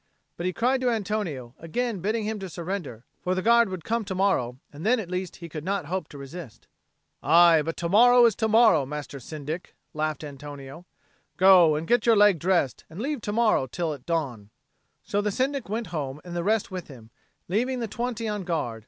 But he cried to Antonio, again bidding him to surrender, for the Guard would come to morrow, and then at least he could not hope to resist. "Aye, but to morrow is to morrow, Master Syndic," laughed Antonio. "Go, get your leg dressed, and leave to morrow till it dawn." So the Syndic went home and the rest with him, leaving the twenty on guard.